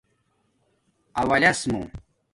اولس مُو